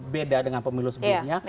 beda dengan pemilu sebelumnya